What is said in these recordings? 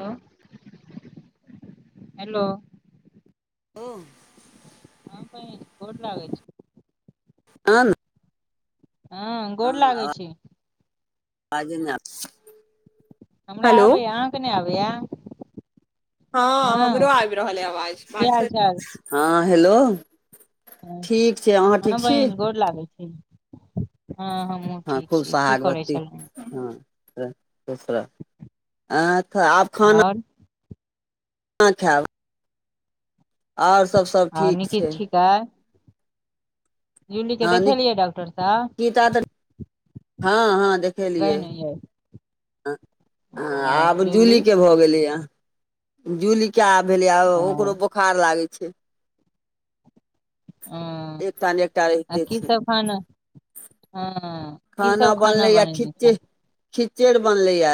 हं हैलो ओ हँ बहिन गोर लागै छी। आँ हँ गोर हं लागै आवाजे नै छी आबाजे नै आबई सउ हमरा आबैए अहाँ के नै आबैए हँ हमरो आइब रहल अय अवाज की बात हाल चाल करु हँ हेलो ह ठीक छै अहाँ हँ ठीक छी बहिन गोर लागै छी, हँ हम हँ हमहूं हँ ठीक खूब छी, की करै सोहागवती छलहूँ। हँ त खुशरह अँ त अथ और खाना खैब और सब -सब हँ ठीक निकी छै ठीक अय हँ देखेलियै डॉक्टर साहब निकिता तऽ हँ- हँ नै नी यै हँ-हँ आब जूली के भऽ गेलैए। जूली के आब भेलैआ आब ओकरो ह बोखार लागै छै। एकटा नै एकटा आ रहिते की छै। सब खाना हँ की खाना सब बनलैया बनेने खिचै छल खिचैड़ बनलैया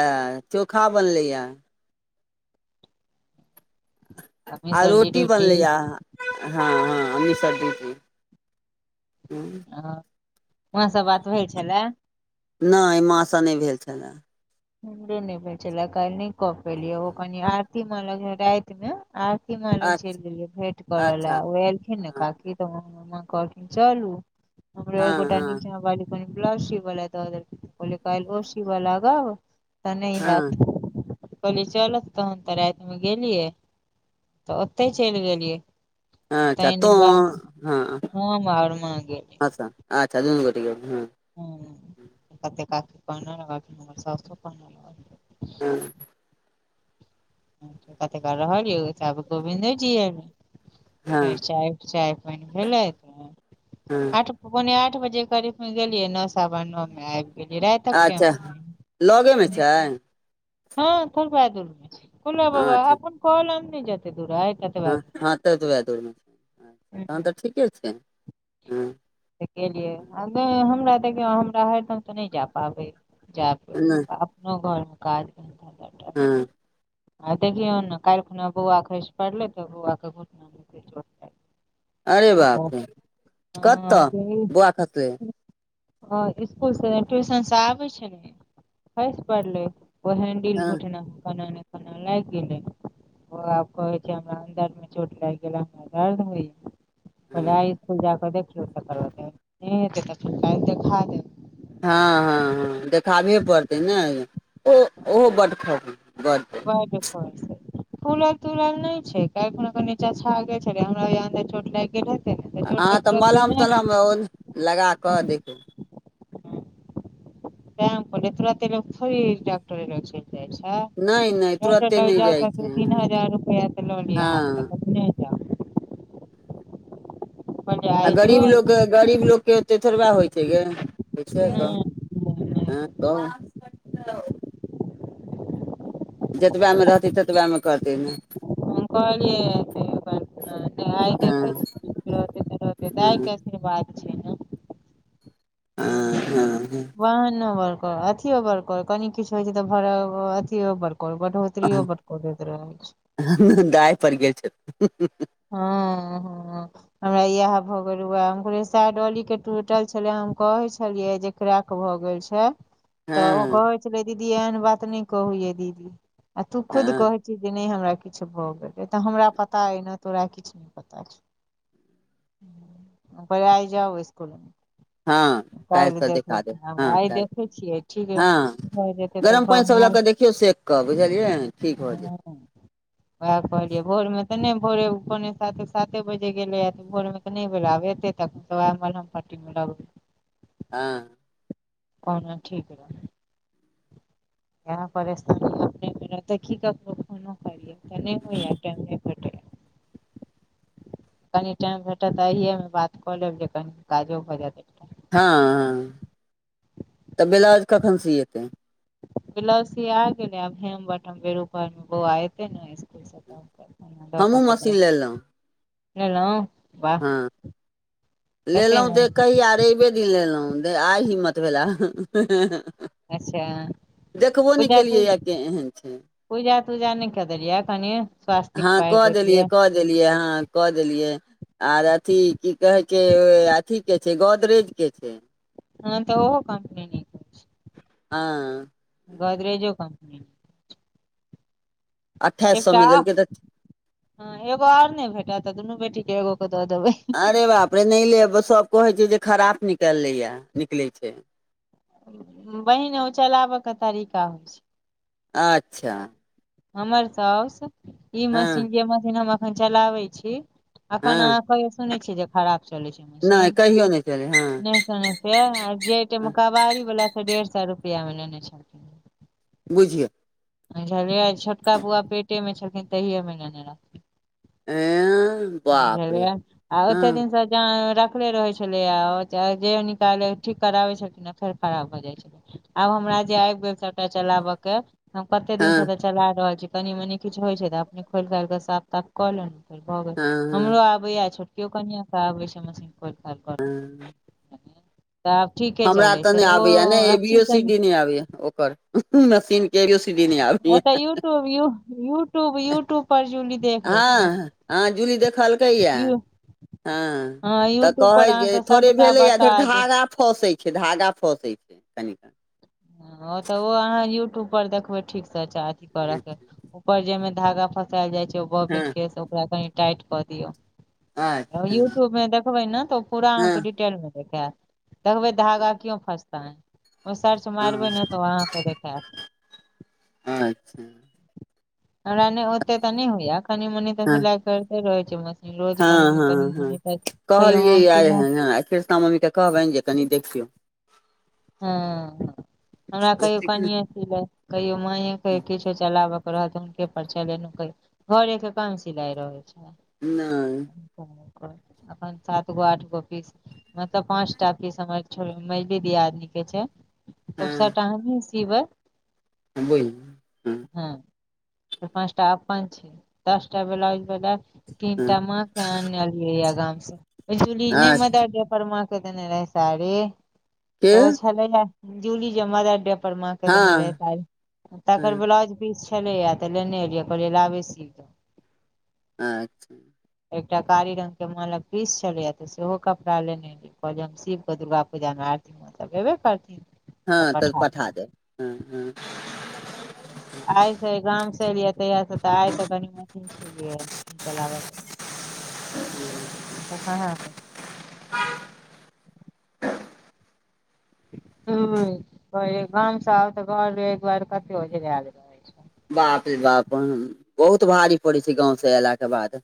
चोखा बनलैया आ मिसरजी रोटी ड्यूटी बनलैया हँ -हँ मिश्र जी के ह ओ माँ सँ बात होइ छलै। नइ माँ स नहि भेल छलए। हमरे नहि भेल छले काल्हि नहि क पेलियै ओ कनी आरती माँ लग रातिमे आरती माँ लग चलि गेलियै भेंट अच्छा करऽ ले अच्छा ओ एलखिन ने हँ काकी त मां कहलखिन चलू हमरो हँ एगोटा निचाँ बाली ब्लाउज सीव ले द देलखिन कहलियै काल्हि ओ सीव लागब त नहि हैत। हँ कहलियै चलौथ तहन त रातिमे गेलियै त ओतै चलि गेलियै। अच्छा तहन ई तों बात हँ हम आओर माँ गेलियै अच्छा- अच्छा दुनू गोटे गेल छलेहें। ह कते काकी कहने रहथि हमर साउसो कहने रहथि। हँ कते काल रहलियै ताबे गोबिन्दे जी आबि फेर हँ चाय, चाय पानि भेलै त हँ आठ पोने आठ बजे करीब मे गेलियै नास् सवा नो मे आबि गेलियै राइतक टाइम अच्छा लगेमे छलै। छै हँ थोरबे दूर मे छैय भोला बाबा अच्छा अपन कलम नहि जते दूरा अइ तते। हँ हँ ततबए दूरमे तहन त ठीके छैय हँ। केलियै आ नहि हमरा देखियौ हमरा हरदम त नहि जा पाबै जैब। [unintelligible] आ अपनो घरमे काज [unintelligible] हँ। आ देखियौ ने काल्हि खुना बौआ खसि पड़लै त बौआके घुटना लागि अरे गेलै ओहो बाप रे कतऽ बौआ [unintelligible] ह स्कुल से ट्यूशन से आबै छलै खइस परलै। ओ हैंडिल हँ घुटना [unintelligible] खना लागि गेले ओ आब कहय छैय हमरा अन्दरमे चोट लागि गेले हमरा दर्द होइये। कहलियए आइ स्कुल जााकऽ देखियौ तकर बादे हैत [unintelligible] देखा देब। हँ- हँ -हँ देखाबहे पड़तै ने ओ ओहो बड खस बड खसै छैय। फूलल तूलल नहि छैय काल्हिखन नीचा छौरा गेल छलै हमरा होइये अंदर चोट लागि गेलै। अहाँ त मलहम तलहम ओ लगा कऽ देखबै। तें हम कहलियै तुरत्ते लोक थोड़े डाक्टरे लग चलि जाइ छैय। नय-नय। डाक्टर लग जाउ त दू तीन हजार रुपैआ त लऽ लिअ हाथमे हँ तखने। जाउ कहलियै आ आइ जो गरीब लोकके, गरीब लोकके एतेक थोड़बे होइ छैय गै, होइछैय क। नहि [unintelligible] जेतबएमे रहतै ततबएमे करतै ने। हम कहलियै [unintelligible] आइ हँ देखै छियै रहतै त रहतै, दाय हँ के आशीर्वाद छैय ने। ह हँ वेह ने। अथियो बड़ कनि किछ होइ छैय त अथियो बड़ करऽ बड तृयो बड कऽ दैत रहय छैय। एनमेन दाय पर गेल छैय। ह -ह। हमरा इएह भऽ गेल वेह हम कहलियै सेह डौली के टूटल छलै हम कहै छलियै जे क्रैक भ गेल छैय हँ त ओ कहै छलै दीदी एहन बात नय कहू यै दीदी। आ तू खुद हँ कहै छीही जे नय हमरा किछ भ गेल ऐ त हमरा पता अय ने। तोरा किछ नै पता छौ आइ जाउ स्कुल हँ मे। कैल्ह काल्हिसँ देखै देखा देब आब हँ आइ काल्हि देखै छियै ठीक हँ भऽ जेैतै। गरम पैन सब लऽ कऽ देखियौ सेक कऽ बुझलियै ठीक भऽ जेतै। हँ वएह कहलियै भोर में तऽ नहि भोरे- पोने साते -साते बजे गेलेै ए तऽ भोर मे तऽ नै भेल आब एतेै तऽ मलहम पट्टी मे लगतै। हँ। कोनो ठीक नै। यह परेशानी [unintelligible] की कर। करयै तऽ नै होय या चैलतै -फिरतै। कनि टाइम भेटतऽ अइएमे बात कऽ लेब जे कनि काजो भऽ जेएत। हँ हँ तऽ ब्लाउज कखन सिएतै? ब्लाउज सिया गेलै आब हेम बटम बेउपहर मे बौआ एतै ने स्कूल से- हमहूँ मशीन लेलहुँ [unintelligible] हँ लेलौ तऽ कहिया रैबे- दिन लेलौ आइ हिम्मत भेला। अच्छा देखबो नै पूजा केलियै तू या केएहन छै। पूजा तूजा नै कऽ देलियै कनि स्वास्तिक हँ पाइर कऽ देलियै? कऽ देलियै आहाँ कऽ देलियै। आर अथी की कहै छै अथी के छै गोदरेज के छै। [unintelligible] ओहो [unintelligible] नै। हँ। गोदरेजो कम्पनी मे। अठाइस सए एकटा मे देलकै तऽ हँ एगो और नै भेटत तऽ दुनू बेटीके एगोके दऽ देबै? अरे बाप रे नै लेब सब कहै छै जे खराब निकललै निकलै छै। बहिन ओ चलाबऽ के तरीका होइ छै। आच्छा हमर साउस ई हँ मशीन जे मशीन हम अखन चलाबै छी। एखन हँ आहाँ कहियो सुनै छियै जे खराब चलै छै मशीन नहि कहियो चलै हँ नहि। छै जेेै टाइम मे कबारी बला से डेढ़ सए रुपआ मे लेने छेल- बुझियौ। बुझलियै छोटका बुआ पेटे मे छेलखिन तहिए मे लेने रहथिन। एँ भुजलियै आ एते दिनसे- तें रखले रहै छलै आ जे निकाले ठीक कराबै छलखिन फेर खराब भऽ जाय छलै। आब हमरा जे आइब गेल सबटा चलाबय के- हम कते दिन से हँ तऽ चला रहल छी कनी -मनी किछ होइ छै तऽ अपने खोइल खाइल कऽ साफ ताफ कऽ लेलौ। फेर भऽ जाय हँ छै। हँ बै छोटकियो कनसँ आबै छै मशीन खोइल-खाइल कऽ रऽ। हँ हमरा तऽ नै आबया ने एबी सी सन डी ने आबेै या ओकर मशीन के एबी सी डी ओ नै आबैया। ओतऽ यूट्यूब, यूट्यूब, यूट्यूब पर जे लिख- हँ हँ जूली देखल- कै या यू हँ तऽ यूट्यूब कहा पर छै अहाँके थोड़े सबटा भेलै या बता फेर देत धराधार- फसेै छै धागा फसेै छै कनि- कनि हँ ओ तऽ ओ अहाँ यूट्यूबपर देखबै ठीकसँ अच्छा अथी कनि करयके- ऊपर जेमे धागा फसायल जाइ छै बोनिकैसे हँ के से ओकरा कनि टाइट कऽ दियौ। अच्छा यूट्यूब में देखबै न तऽ ओ पूरा अहाँके हँ डिटेल में देखैत। देखबै धागा क्यों फसता है ओ सर्च मारबै हँ ने तऽ ओ अहाँकेँ देखैत। अच्छा। हमरा नैय ओते तऽ नैय होइया, कनि मनी तऽ सिलाइ करते रहै छियै मश हँ-हँ-हँ, कहलियै हम याऽ आइ सिलहुँ हनऽ कृष्णा मम्मी के कहबैन जे कनि देखियौ। हँ, हमरा ओ कहियौ सिख कनिए कहियो माॅंये के किछो चलाबऽ के रहैऽ त हुनके पर चलेनौ कहियो। घरे के कम सिलाइ रहै छै? नैय। [inaudible] एखन सात गो आठ गो पीस मतलब पाँच टा पीस समझ नइकी दियादनी ठ छै, तब सबटा हमही सीबै? दुबई हँ, तऽ पाँचटा अपन छै, दस टा ब्लाउज भेलै? हँ तीनटा माँ के आनलियै या गाम स, पैनसूली नैय अच्छा मदर डे पर माँ के देने रहै साड़ी? के तऽ ओ छलैंन हैं जूली जे मदर डे पर माँ के देने रहै हँ साड़ी, हँ तकर ब्लाउज पीस छलै यैऽ तऽ लेने एलियै, कहलियै लाबै सीब देखौ। अच्छा। एकटा कारी रंग के माँ लग पीस छलैया त सेहो कपड़ा लेने कहलियै हम सीब क दुर्गा पूजा में, आरती में त जेबे करथिन। हँ तऽ पठा देब, ह-ह। आइ स गाम स एलियै यैऽ तहिया से तऽ आइ तऽ कनी मनी छुलियै याऽ चलाबऽ के ओ कहॉं हैय? ह्म्म कहलियै गाम सँ ऐबऽ तऽ घर बेदुआइर कते ओझरैल र बाप रे बाप, हंऽ बहुत भारी पड़ै छै गाँंव से ऐला के बाद।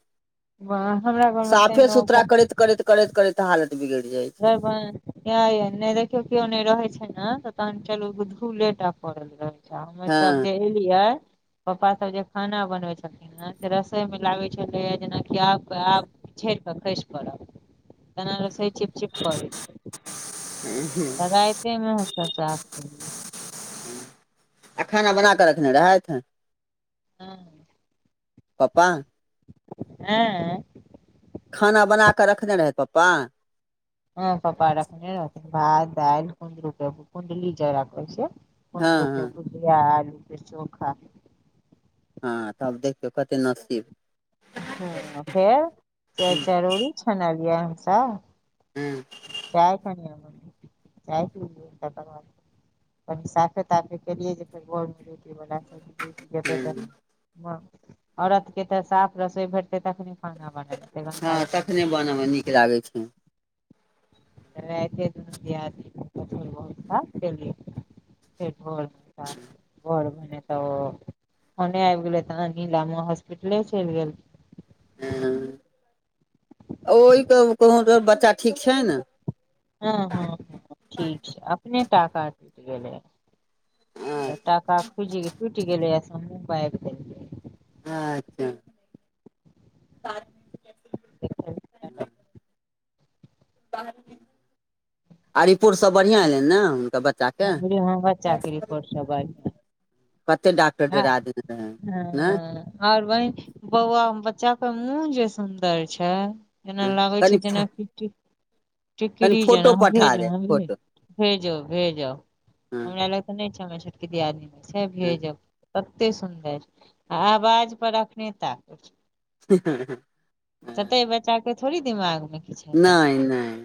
हमरा घर मे साफे ताहिमे सुथरा ओ करैत-करैत-करैत-करैत हालत बिगड़ जाय घर बैंह यऽ यऽ नहि देखियौ कियो नैय रहे छै न, त तहन चलू ब-धूलेटा पड़ल रहै तामें सब हँ जे एलियै पप्पा सब जे खाना बनबै छलखिन हैन, से रसोई में लागै छलैया जेनाकि आब-आब छैप कऽ खैइस पड़ब, तेना रसोई चीप चिप करै छै, त राइते में हम सब साफ केलियै। आ खाना बना कऽ रखने रहैथ? हँ। पप्पां ऐंऽ? खाना बना कऽ रखने रहैथ पप्पा? हँ पप्पा रखने रहथिन, भात, दाइल कुंदरू के भु-कुंडली जकरा कहे छियै। हँ कुन्दरु के हँ भुजिया आ आलू चोखा। हँ तब देखियौ कते नसीब अच्छा फेर, चाय-चरौरी छनलियै हमसब हूँम्म। चाय [unintelligible] चाय पी [unintelligible] कनी साफे ताफे केलियै जे फेर घऽर में ड्युटी बला त औरत के त साफ रसोइ भेटतै तखने। खाना बनैल हेतै गंगा तखने रहतै बनऽ मे नीक लागै छैय। राइते दुनु दियादनी कुछ-कुछ भोरका करि लय छी। फेर भोर मे साफ भोर में त फोने आबि गेले तहन नीला माए हॉस्पिटले चलि गेल ह ओहि कहु त बच्चा ठीक छै ने। हँ- ह -ह ठीक छैय अपने टाका टूट गेलै। टाका खुजीके टूटि गेलै अ मुह बाइब देलकैय। अच्छा। [inaudible] आ रिपोर्ट सब बढ़िआँ एलैनि ने हुनका ब हँ बच्चाके रिपोर्ट सब बढ़ियाँ। कते डॉक्टर डेरा देने रहैय एँ। मरबाहि बौआ बच्चाके मुहजे सुन्दर छैय। जेना लागैय कनि छैय जेना कि कनि टिकरी जेना फोटो पठा भेजा दे अनलिये फोटो भेजऽ-भेजऽ हँ हमरा लग ओ नै छैय हमर छोटकी दियादनी छैय भेजब तते सुन्दर आ आवाज पर अखने ताके छैय। ततै बच्चाके थोड़ि दिमागमे किछ हेतैय। नहि नहि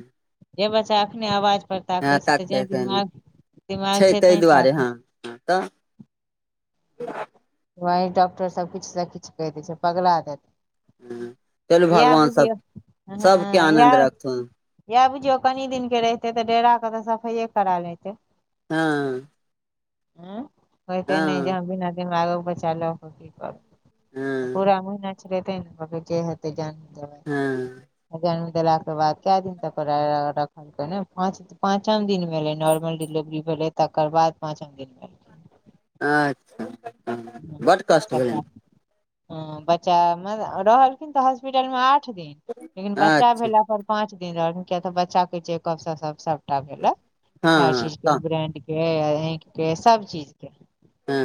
जे बच्चा अखने आवाज पर हँ ताकैय छैय त जैं ताकतै से नहि दिमाग-दिमाग छैय तैं ताकैय त। वही डॉक्टर सब किछ स किछ कहि दैय छैय पगला देत। चलू यैह भगवान सब बुझियौ ह सबके आनन्द यैह। रखथुन यएह बुझियौ कनि दिनके रहितेय त डेरा के तऽ सफइए करा लैतैय। ह। ह कहिते नै जे हँ बिना दिमागक बच्चा लऽ क की करब। आ हँ पूरा महिना छेलैय तैं ने कहलकैय जे हेतै जान हँ आ जन्म देल के बाद कैऽ दिन तक ओकरा रा पाँच, पाँचम दिन भेलैय नॉर्मल डिलेवरी भेलै तकर बाद पाँचम दिन भेलैय। अच्छा बड्ड कष्ट भेलनि। ह बच्चा रहलखिन त हॉस्पिटलमे आठ दिन लेकिन बच्चा अच्छा भेला पर पाँच दिन रहल किया त बच्चाके चेकअप सब सबटा भेलेय हँ हर हँ चीज के तऽ ब्रेंड के, आँखि के सब चीजके। एँ।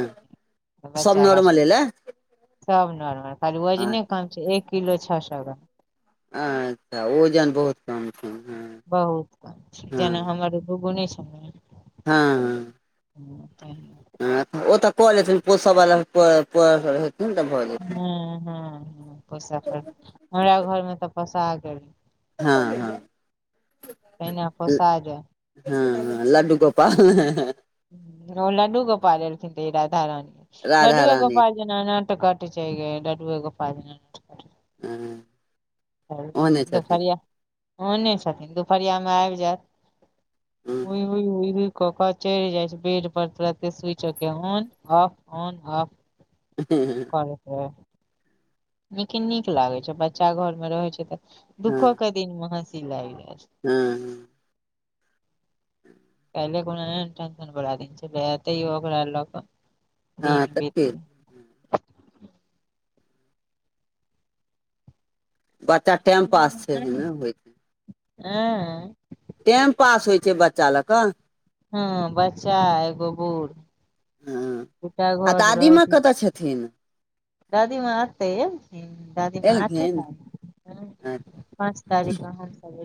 बच्चा बड सब नॉर्मल खाली वजने अच्छा कम छैय एक किलो छओ सए ग्राम। अच्छा वोजन बहुत कम छै हँ बहुत कम छैय जेना हँ हमर गुगु नै छथिन। हँ। ह तहिना। ह ओ त कऽ लेथिन पोसऽ बला पर- पर [unintelligible] ह-ह पोसऽ परतैय हमरा घर मे त पौसागेलैय। हा-हा। तहिना पोसाजाय। हं हं लड्डू गोपाल। ओ लड्डू गोपाल एलखिन इ राधा रानी राधा लडुए रानी गोपाल। एना नाट कट छैय गए लडुए गोपाल। हं। त दुपहरिया ओने छथिन दुपहरियामे आब जैब। हँ होहि -होहि -होहि। क क चढ़ जाय छैय बेड पर तुरते स्विच के ऑन ऑफ ऑन ऑफ। [unintelligible] परबे। लेकिन नीक लागे छैय बच्चा घर मे रहेय छैय तऽ दुखो के दिनमे हसी लागि जाय छैय। हं। [unintelligible] देखु नै टेंशन बढा दैत छैय ओकरा लऽके हँ दिन तऽ बित। की बच्चा टाइम पास छैय न होइ। हं। टाइम पास होइ छैय बच्चा लऽ कऽ। हँ बच्चा एगो बूढ़। हँ एकटा आ घर दादीमाँ रहे। कतऽ छथिन दादीमा अतै दादीमा आठे। एलखिन पाँच तारीख क हम सब एलहुं।